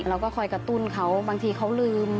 เราก็คอยกระตุ้นเขาบางทีเขาลืม